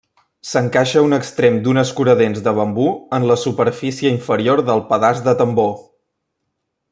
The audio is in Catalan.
S'encaixa un extrem d'un escuradents de bambú en la superfície inferior del pedaç de tambor.